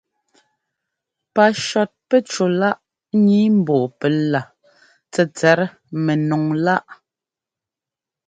Pacɔtpɛcúláꞌ nǐi ḿbɔ́ɔ pɛla tsɛtsɛt mɛnɔŋláꞌ.